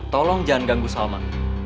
tolong jangan ganggu salma